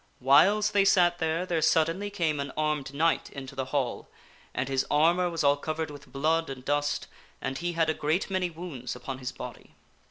Whiles they sat there, there suddenly came an armed knight into the Hall, and his armor was all covered with blood and dust, and he had a great many wounds upon his body.